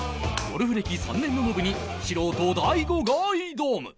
ゴルフ歴３年のノブに素人大悟が挑む